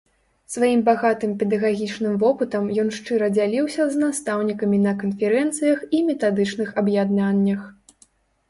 Сваім багатым педагагічным вопытам ён шчыра дзяліўся з настаўнікамі на канферэнцыях і метадычных аб'яднаннях.